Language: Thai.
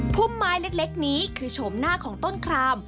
พุ่มไม้เล็กนี้คือโฉมหน้าของต้นคราม